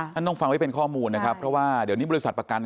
ต้องฟังไว้เป็นข้อมูลนะครับเพราะว่าเดี๋ยวนี้บริษัทประกัน